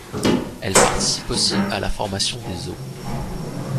Elle participe aussi à la formation des os.